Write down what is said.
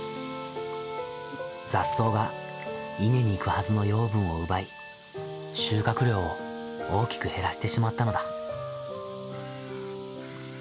雑草が稲にいくはずの養分を奪い収穫量を大きく減らしてしまったのだ。